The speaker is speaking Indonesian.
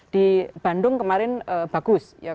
di bandung kemarin bagus